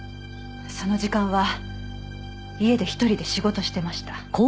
その時間は家で１人で仕事してました。